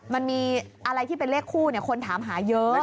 มันมีอะไรที่เป็นเลขคู่คนถามหาเยอะ